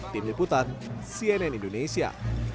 tim liputan cnn indonesia